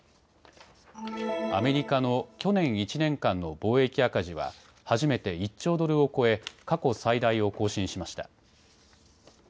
アメリカの去年１年間の貿易赤字は初めて１兆ドルを超え過去最大を更新しました。